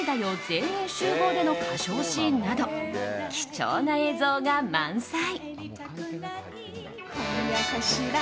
全員集合」での歌唱シーンなど貴重な映像が満載。